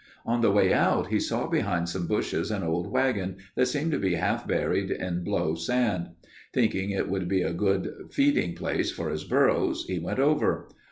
On the way out he saw behind some bushes an old wagon that seemed to be half buried in blow sand. Thinking it would be a good feeding place for his burros, he went over.